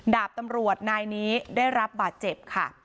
ดาบตำรวจนายนี้ได้รับบาดเจ็บค่ะ